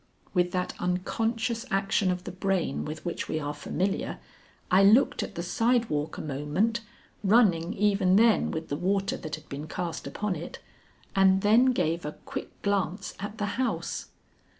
With that unconscious action of the brain with which we are familiar, I looked at the sidewalk a moment, running even then with the water that had been cast upon it, and then gave a quick glance at the house.